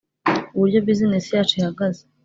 uburyo business yacu ihagaze